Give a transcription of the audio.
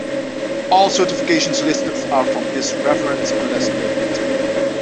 All certifications listed are from this reference unless noted.